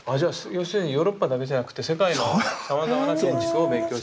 要するにヨーロッパだけじゃなくて世界のさまざまな建築を勉強していた。